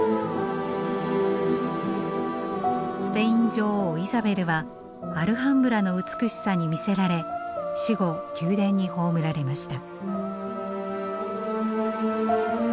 スペイン女王イザベルはアルハンブラの美しさに魅せられ死後宮殿に葬られました。